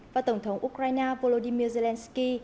và tổng thống ukraine volodymyr zelensky